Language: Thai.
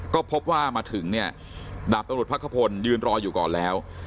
ก็พบว่ามาถึงเนี่ยดาบตำรวจพักขพลยืนรออยู่ก่อนแล้ว